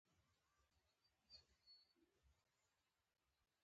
تاسي د هغوی دوستان یاست.